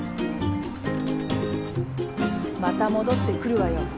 また戻ってくるわよ。